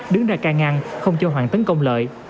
đứng ra ca ngăn không cho hoàng tấn công lợi